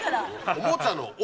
おもちゃの「お」。